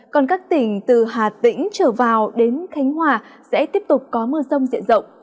còn các tỉnh từ hà tĩnh trở vào đến khánh hòa sẽ tiếp tục có mưa rông diện rộng